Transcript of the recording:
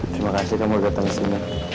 terima kasih kamu udah datang kesini